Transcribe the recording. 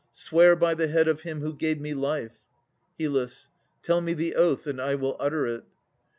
Swear by the head of him who gave me life. HYL. Tell me the oath, and I will utter it.